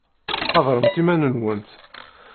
Qadremt iman-nwent.